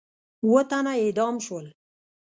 اووه تنه اعدام شول.